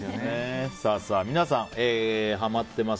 皆さんのハマってます！